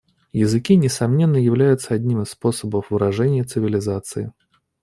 Языки, несомненно, являются одним из способов выражения цивилизации.